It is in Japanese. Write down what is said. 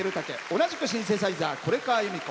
同じくシンセサイザー是川由美子。